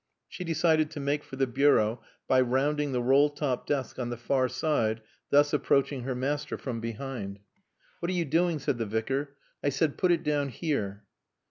She decided to make for the bureau by rounding the roll top desk on the far side, thus approaching her master from behind. "What are you doing?" said the Vicar. "I said, Put it down here."